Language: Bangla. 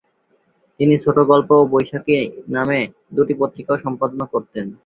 তিনি "ছোটগল্প" ও "বৈশাখী" নামে দুটি পত্রিকাও সম্পাদনা করতেন।